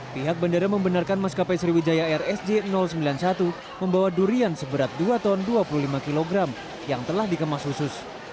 pihak bandara membenarkan maskapai sriwijaya rsj sembilan puluh satu membawa durian seberat dua ton dua puluh lima kg yang telah dikemas khusus